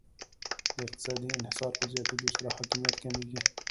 د اقتصادي انحصار په زیاتیدو سره حاکمیت کمیږي